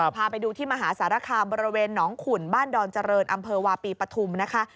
พาไปดูที่มหาสารคามบริเวณหนองขุ่นบ้านดอนเจริญอำเภอวาปีปฐุมนะคะ